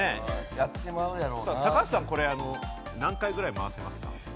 高橋さん、これ何回ぐらい回せますか？